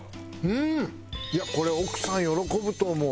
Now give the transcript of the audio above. これ奥さん喜ぶと思う。